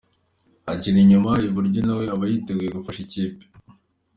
Akina inyuma iburyo nawe aba yiteguye gufasha ikipe.